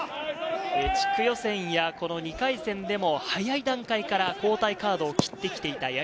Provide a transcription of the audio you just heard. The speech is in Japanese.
地区予選や２回戦でも、早い段階から交代カードをきってきていた